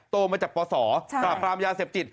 โตมาจากปศปราบปรามยาเสพติด